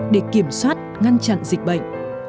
để kiểm soát ngăn chặn dịch bệnh